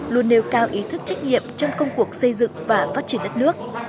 luôn nêu cao ý thức trách nhiệm trong công cuộc xây dựng và phát triển đất nước